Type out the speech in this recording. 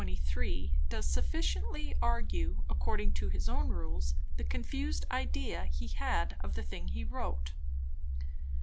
_ does sufficiently argue according to his own Rules, the confused Idea he had of the thing he wrote.